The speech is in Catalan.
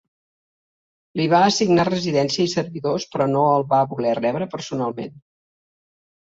Li va assignar residència i servidors però no el va voler rebre personalment.